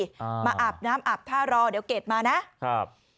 อ่ามาอาบน้ำอาบท่ารอเดี๋ยวเก็ดมานะครับ